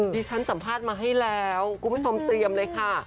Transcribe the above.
ที่ฉันสัมภาษณ์มาให้แล้วกูไม่ชอบเตรียมเลยค่ะ